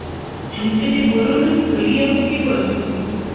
nchini burundi kilio kiko juu